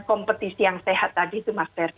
kompetisi yang sehat tadi itu mas ferry